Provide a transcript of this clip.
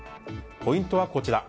ポイントはこちら。